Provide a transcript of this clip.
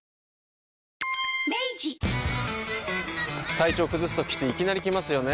体調崩すときっていきなり来ますよね。